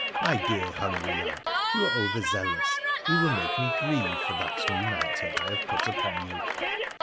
My dear hungry lad, you are over zealous — you will make me grieve for that new knighthood I have put upon you